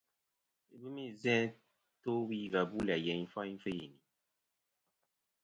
Ibɨmi izæ to wi và bu læ yeyn ɨfoyn fɨ yini.